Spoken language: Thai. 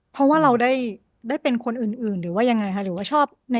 เพราะว่าเราได้เป็นคนอื่นหรือว่ายังไงคะหรือว่าชอบ